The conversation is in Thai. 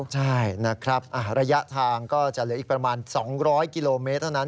ใช่นะครับระยะทางก็จะเหลืออีกประมาณ๒๐๐กิโลเมตรเท่านั้น